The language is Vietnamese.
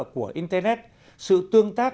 của internet sự tương tác